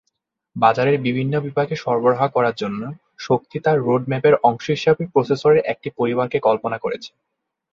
বাজারের বিভিন্ন বিভাগে সরবরাহ করার জন্য, শক্তি তার রোড-ম্যাপের অংশ হিসাবে প্রসেসরের একটি পরিবারকে কল্পনা করেছে।